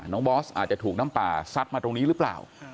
บอสอาจจะถูกน้ำป่าซัดมาตรงนี้หรือเปล่า